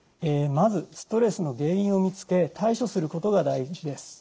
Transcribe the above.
まずストレスの原因を見つけ対処することが第一です。